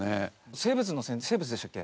生物の生物でしたっけ？